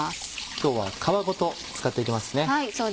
今日は皮ごと使っていきますね。